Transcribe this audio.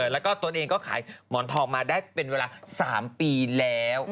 แล้วก็ตนเองก็ขายหมอนทองมาได้เป็นเวลา๓ปีแล้ว